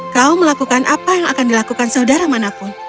kau melakukan apa yang akan dilakukan saudara manapun